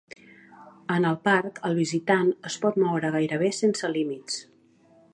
En el parc el visitant es pot moure gairebé sense límits.